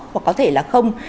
hoặc có thể là không